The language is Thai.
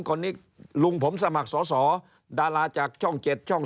คนนี้ลุงผมสมัครสอสอดาราจากช่อง๗ช่อง